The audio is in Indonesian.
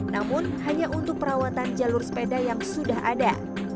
namun hanya untuk perawatan jalur sepeda yang sudah ada